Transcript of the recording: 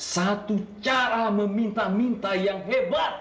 satu cara meminta minta yang hebat